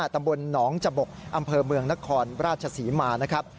ตำบลหนองจบกอำเภอเมืองนครราชศรีมานะครับ